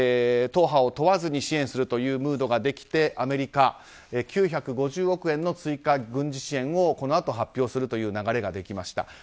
党派を問わずに支援するというムードができてアメリカ９５０億円の追加軍事支援をこのあと発表するという流れができました。